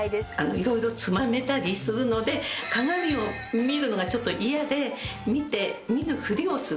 いろいろつまめたりするので鏡を見るのがちょっと嫌で見て見ぬふりをする。